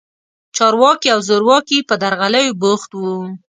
چارواکي او زورواکي په درغلیو بوخت وو.